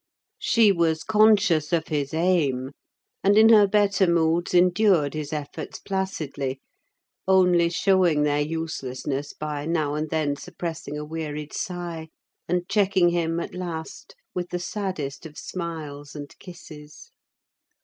She was conscious of his aim, and in her better moods endured his efforts placidly, only showing their uselessness by now and then suppressing a wearied sigh, and checking him at last with the saddest of smiles and kisses.